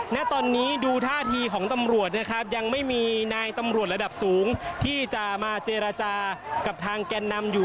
ณตอนนี้ดูท่าทีของตำรวจนะครับยังไม่มีนายตำรวจระดับสูงที่จะมาเจรจากับทางแกนนำอยู่